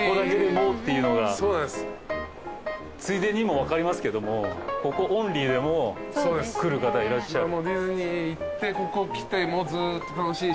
ついでにも分かりますけどもここオンリーでも来る方いらっしゃる。